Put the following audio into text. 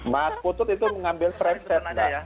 mas putut itu mengambil frame set mbak